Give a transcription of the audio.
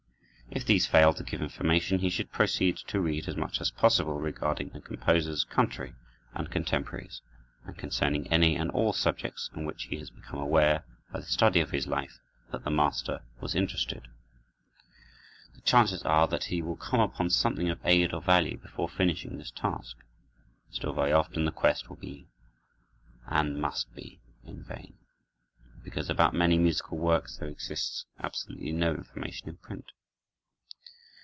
If these fail to give information, he should proceed to read as much as possible regarding the composer's country and contemporaries, and concerning any and all subjects in which he has become aware, by the study of his life, that the master was interested. The chances are that he will come upon something of aid or value before finishing this task. Still very often the quest will and must be in vain, because about many musical works there exists absolutely no information in print.